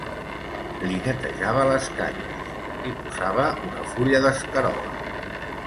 Li netejava les canyes, li posava una fulla d'escarola